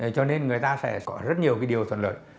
cho nên người ta sẽ có rất nhiều cái điều thuận lợi